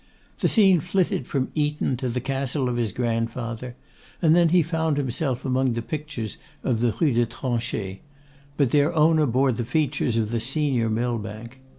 The scene flitted from Eton to the castle of his grandfather; and then he found himself among the pictures of the Rue de Tronchet, but their owner bore the features of the senior Millbank.